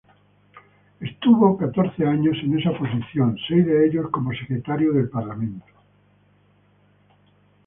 Estuvo catorce años en esa posición, seis de ellos como secretario del parlamento.